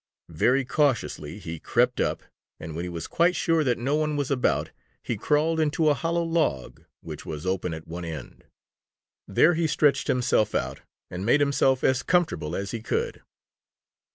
Very cautiously he crept up, and when he was quite sure that no one was about, he crawled into a hollow log which was open at one end. There he stretched himself out and made himself as comfortable as he could.